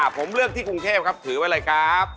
ผมเลือกที่กรุงเทพครับถือไว้เลยครับ